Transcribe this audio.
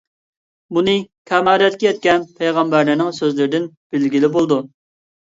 بۇنى كامالەتكە يەتكەن پەيغەمبەرلەرنىڭ سۆزلىرىدىن بىلگىلى بولىدۇ.